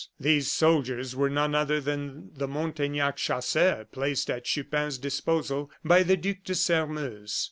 These soldiers were none other than the Montaignac chasseurs, placed at Chupin's disposal by the Duc de Sairmeuse.